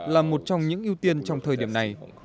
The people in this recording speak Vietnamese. là một trong những ưu tiên trong thời điểm này